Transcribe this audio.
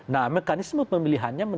nah mekanisme pemilihannya